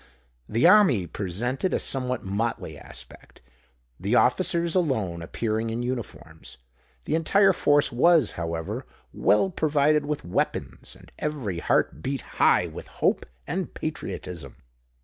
The army presented a somewhat motley aspect, the officers alone appearing in uniforms. The entire force was, however, well provided with weapons; and every heart beat high with hope and patriotism.